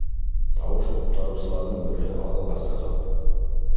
Тауыш ҡуптарыусыларҙың береһе алға сығып: